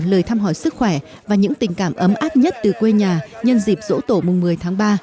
lời thăm hỏi sức khỏe và những tình cảm ấm áp nhất từ quê nhà nhân dịp dỗ tổ mùng một mươi tháng ba